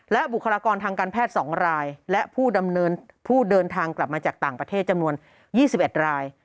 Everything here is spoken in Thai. และบุคลากรทางการแพทย์๒รายและผู้ดำเนินผู้เดินทางกลับมาจากต่างประเทศจำนวน๒๑ราย